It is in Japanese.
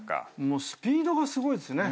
もうスピードがすごいですね。